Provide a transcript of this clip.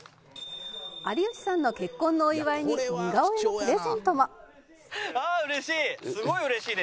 「有吉さんの結婚のお祝いに似顔絵のプレゼントも」ああ嬉しい！